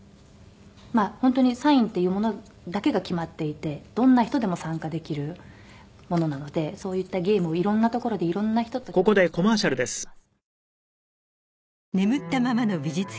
本当にサインっていうものだけが決まっていてどんな人でも参加できるものなのでそういったゲームをいろんな所でいろんな人と共有したいなとは思ってます。